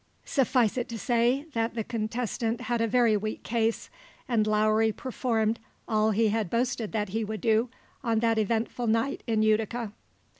Suffice it to say that the contestant had a very weak case, and Lowry performed all he had boasted that he would do on that eventful night in Utica.